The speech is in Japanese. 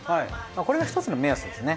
これが１つの目安ですね。